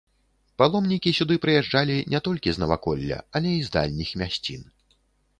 Паломнікі сюды прыязджалі не толькі з наваколля, але і з дальніх мясцін.